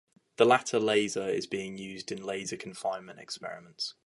The latter laser is being used in laser confinement experiments.